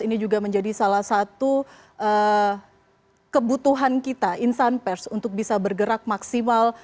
ini juga menjadi salah satu kebutuhan kita insan pers untuk bisa bergerak maksimal